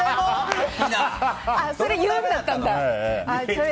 それは言うべきだったんだ。